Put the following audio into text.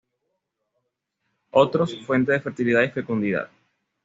Otros, fuente de fertilidad y fecundidad.